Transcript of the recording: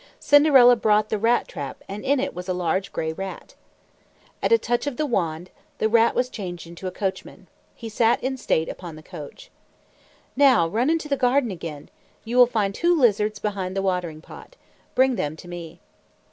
Cinderella brought the rat trap, and in it was a large gray rat. At a touch of the wand, the rat was changed into a coachman. He sat in state upon the coach. "Now run into the garden again. You will find two lizards behind the watering pot. Bring them to me."